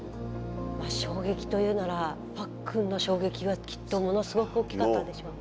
衝撃というならパックンの衝撃はきっとものすごく大きかったんでしょうね。